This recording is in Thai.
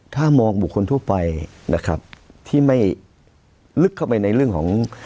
ถ้ามองบุคคลทั่วไปนะครับที่ไม่ลึกเข้าไปในเรื่องของ